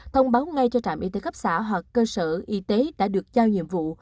thông báo ngay cho trạm y tế cấp xã hoặc cơ sở y tế đã được giao nhiệm vụ